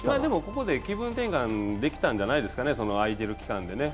ここで気分転換できたんじゃないですかね、空いてる期間でね